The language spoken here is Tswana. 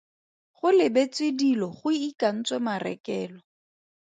Go lebetswe dilo go ikantswe marekelo.